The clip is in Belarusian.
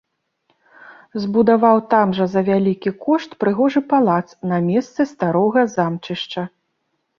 Збудаваў там жа за вялікі кошт прыгожы палац на месцы старога замчышча.